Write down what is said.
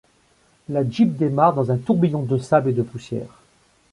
La jeep démarre dans un tourbillon de sable et de poussière.